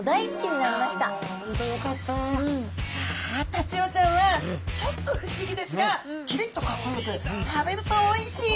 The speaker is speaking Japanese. タチウオちゃんはちょっと不思議ですがきりっとかっこよく食べるとおいしい！